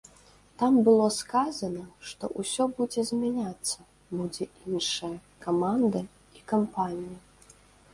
Там было сказана, што ўсё будзе змяняцца, будзе іншая каманда і кампанія.